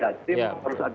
jadi harus ada